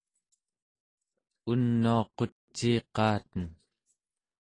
unuaquciiqaaten